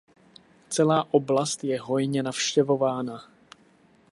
Celá oblast je hojně navštěvována.